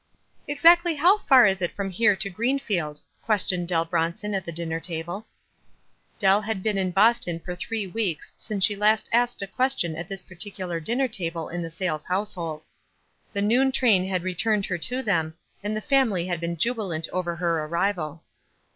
"Exactly how far is it from here to Green field?" questioned Dell Bronson at the dinner table. Dell had been in Boston for three weeks since she last asked a question at this particular din ner table in the Sayles household. The noon train had returned her to them, and the family had been jubilant over her arrival.